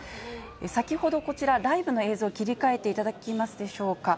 先ほどこちら、ライブの映像に切り替えていただけますでしょうか。